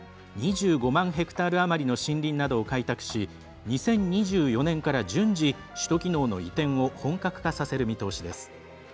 ２５万ヘクタール余りの森林などを開拓し２０２４年から順次首都機能の移転を本格化させる見通しです。